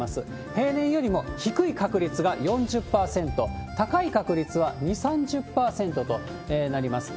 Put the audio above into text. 平年よりも低い確率が４０％、高い確率は２、３０％となります。